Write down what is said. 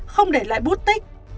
không để lại bút tích